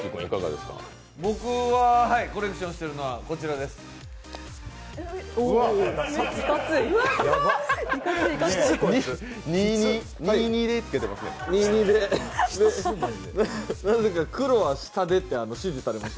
僕はコレクションしているのはこちらです。